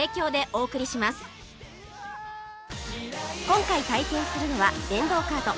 今回体験するのは電動カート